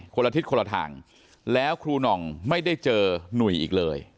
คนละทิศคนละทางแล้วครูหน่องไม่ได้เจอหนุ่ยอีกเลย